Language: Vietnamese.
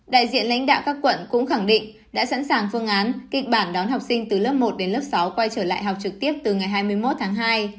đại diện lãnh đạo các quận cũng khẳng định đã sẵn sàng phương án kịch bản đón học sinh từ lớp một đến lớp sáu quay trở lại học trực tiếp từ ngày hai mươi một tháng hai